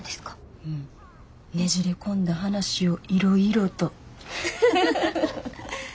ねじれ込んだ話をいろいろと。